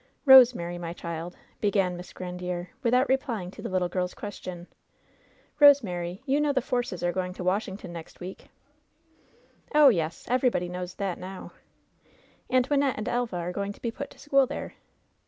'Rosemary, my child," began Miss Grandiere, with out replying to the little girl's question, '^Rosemary, you know the Forces are going to Washington next week ?'^ "Oh! yes; everybody knows that now." "And Wynnette and Elva are going to be put to school there?"